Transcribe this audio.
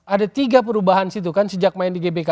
ada tiga perubahan situ kan sejak main di gbk